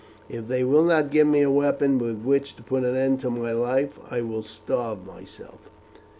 If they will not give me a weapon with which to put an end to my life, I will starve myself."